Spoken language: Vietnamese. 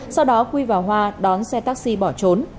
sau đó quy và hoa đón xe taxi bỏ trốn